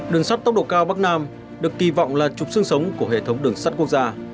đường sát tốc độ cao bắc nam được kỳ vọng là trục sương sống của hệ thống đường sát quốc gia